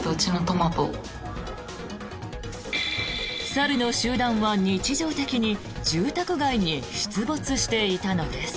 猿の集団は、日常的に住宅街に出没していたのです。